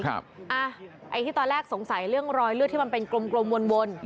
ไอ้ที่ตอนแรกสงสัยเรื่องรอยเลือดที่มันเป็นกลมวน